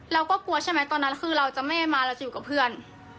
เราก็กลัวใช่ไหมตอนนั้นคือเราจะไม่มาเราจะอยู่กับเพื่อน